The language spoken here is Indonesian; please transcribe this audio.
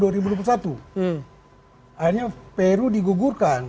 akhirnya peru digugurkan